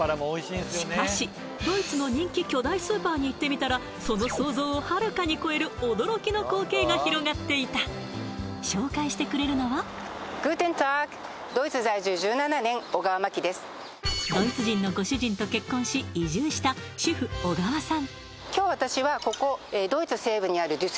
しかしドイツの人気巨大スーパーに行ってみたらその想像をはるかに超える驚きの光景が広がっていた紹介してくれるのはドイツ人のご主人と結婚し移住した主婦小川さん